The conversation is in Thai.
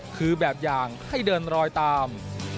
คือแบบอย่างให้เดินรอยตาม